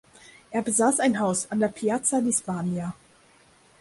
Er besaß ein Haus an der Piazza di Spagna.